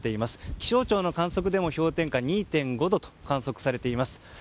気象庁の観測でも氷点下２．５度となっています。